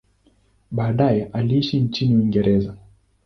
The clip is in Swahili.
Baadaye aliishi nchini Uingereza.